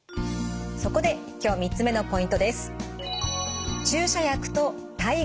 そこで今日３つ目のポイントです。